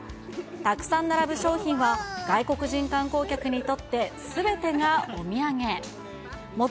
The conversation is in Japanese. たくさん並ぶ商品は、外国人観光客にとってすべてがお土産。